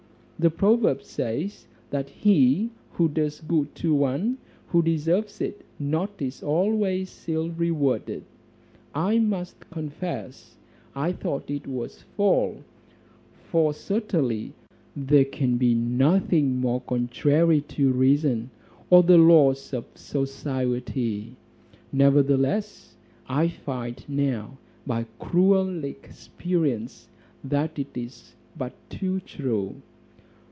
The proverb says, 'That he who does good to one who deserves it not is always ill rewarded.' I must confess, I thought it was false; for certainly there can be nothing more contrary to reason, or the laws of society. Nevertheless, I find now by cruel experience that it is but too true."